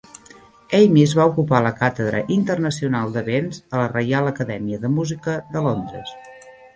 Amis va ocupar la Càtedra Internacional de Vents a la Reial Acadèmia de Música de Londres.